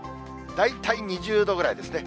大体２０度ぐらいですね。